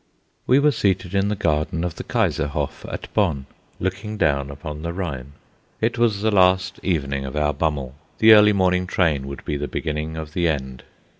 We were seated in the garden of the Kaiser Hof at Bonn, looking down upon the Rhine. It was the last evening of our Bummel; the early morning train would be the beginning of the end.